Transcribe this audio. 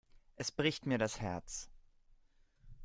Es bricht mir das Herz.